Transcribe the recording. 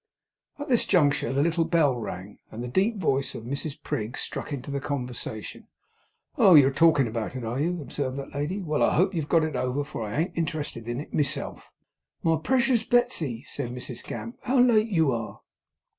At this juncture the little bell rang, and the deep voice of Mrs Prig struck into the conversation. 'Oh! You're a talkin' about it, are you!' observed that lady. 'Well, I hope you've got it over, for I ain't interested in it myself.' 'My precious Betsey,' said Mrs Gamp, 'how late you are!